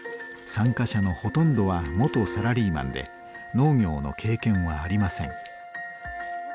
参加者のほとんどは元サラリーマンで農業の経験はありません。